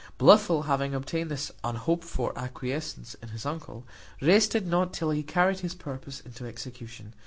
Blifil, having obtained this unhoped for acquiescence in his uncle, rested not till he carried his purpose into execution.